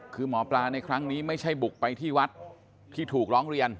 คือหมอปลาในครั้งนี้ไม่ใช่บุกไปที่วัดที่ถูกร้องเรียน